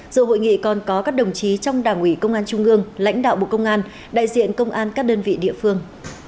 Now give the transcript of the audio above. dù hội nghị còn có các đồng chí trong đảng ủy công an trung ương lãnh đạo bộ công an đại diện công an các đơn vị địa phương